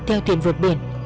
theo thuyền vượt biển